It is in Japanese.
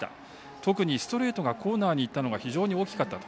特にストレートがコーナーにいったのが非常に大きかった。